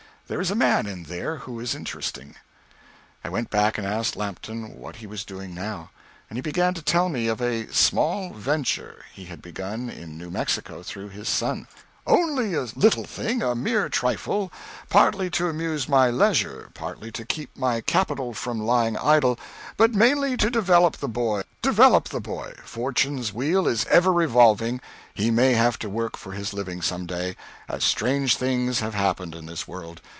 There is a man in there who is interesting." I went back and asked Lampton what he was doing now. He began to tell me of a "small venture" he had begun in New Mexico through his son; "only a little thing a mere trifle partly to amuse my leisure, partly to keep my capital from lying idle, but mainly to develop the boy develop the boy; fortune's wheel is ever revolving, he may have to work for his living some day as strange things have happened in this world.